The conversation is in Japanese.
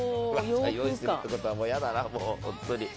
用意するってことはもういやだな、本当に。